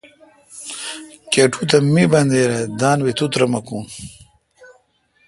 کٹو تہ۔ می بندیر اے°،دان بی تو ترمکون